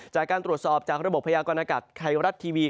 จากการตรวจสอบจากระบบพยากรณากาศไทยรัฐทีวี